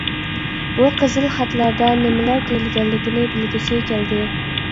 بۇ قىزىل خەتلەردە نېمىلەر دېيىلگەنلىكىنى بىلگۈسى كەلدى.